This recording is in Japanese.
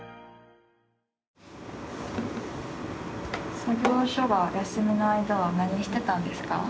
作業所が休みの間は何してたんですか？